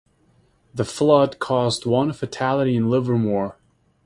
The flood caused one fatality in Livermore.